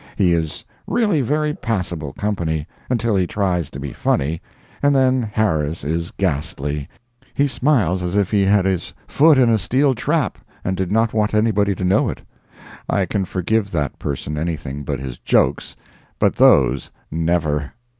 He is really very passable company, until he tries to be funny, and then Harris is ghastly. He smiles as if he had his foot in a steel trap and did not want anybody to know it. I can forgive that person anything but his jokes—but those, never.